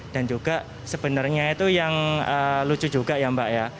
dan juga sebenarnya itu yang lucu juga ya mbak ya